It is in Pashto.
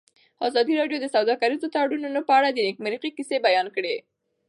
ازادي راډیو د سوداګریز تړونونه په اړه د نېکمرغۍ کیسې بیان کړې.